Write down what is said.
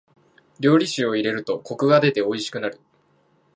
料理酒を入れるとコクが出ておいしくなる。